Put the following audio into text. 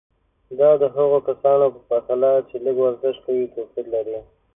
دا د هغو کسانو په پرتله چې لږ ورزش کوي توپیر لري.